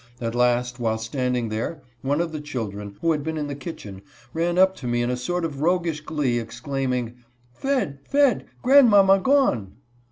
At last, while standing there, one of the children, who had been in the kitchen, ran up to me in a sort of roguish glee, exclaiming, "Fed, Fed, grand mamma gone